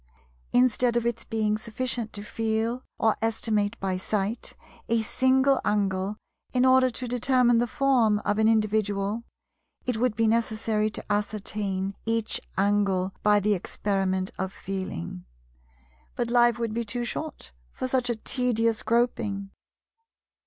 Instead of its being sufficient to feel, or estimate by sight, a single angle in order to determine the form of an individual, it would be necessary to ascertain each angle by the experiment of Feeling. But life would be too short for such a tedious groping.